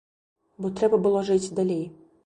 Бо трэба было жыць далей.